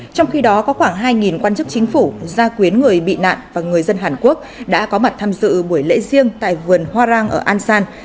trong khi đó có khoảng hai quan chức chính phủ gia quyến người bị nạn và người dân hàn quốc đã có mặt tham dự buổi lễ riêng tại vườn hoa rang ở ansan